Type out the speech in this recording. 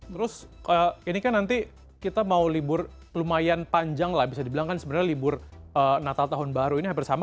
terus ini kan nanti kita mau libur lumayan panjang lah bisa dibilang kan sebenarnya libur natal tahun baru ini hampir sama